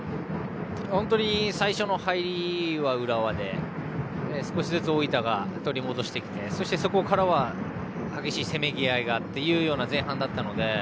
本当に最初の入りは浦和で少しずつ大分が取り戻してきてそこからは激しいせめぎ合いがあったという前半だったので。